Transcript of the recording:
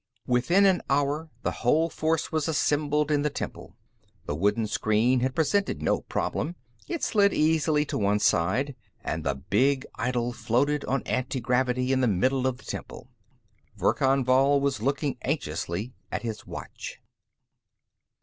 Within an hour, the whole force was assembled in the temple. The wooden screen had presented no problem it slid easily to one side and the big idol floated on antigravity in the middle of the temple. Verkan Vall was looking anxiously at his watch.